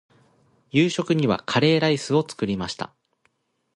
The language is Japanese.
夕食にはカレーライスを作りました。